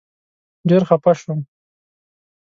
ډېر خپه شوم.